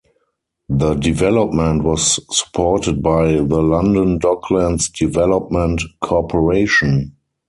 The development was supported by the London Docklands Development Corporation.